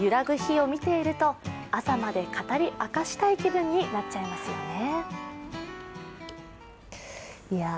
揺らぐ火を見ていると朝まで語り明かしたい気分になっちゃいますよね。